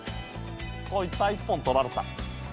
こいつは一本取られた。